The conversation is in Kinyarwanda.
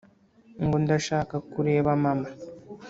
ngo ndashaka kureba mama.